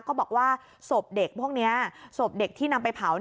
ก็บอกว่าศพเด็กพวกนี้ศพเด็กที่นำไปเผา